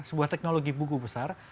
sebuah teknologi buku besar